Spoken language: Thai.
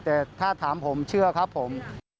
แต่ถ้าถามผมเชื่อครับผม